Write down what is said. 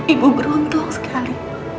ibu beruntung sekali